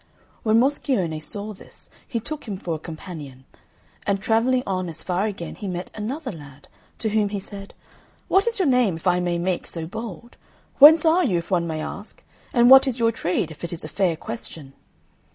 When Moscione saw this he took him for a companion; and travelling on as far again, he met another lad, to whom he said, "What is your name, if I may make so bold? Whence are you, if one may ask? And what is your trade, if it is a fair question?"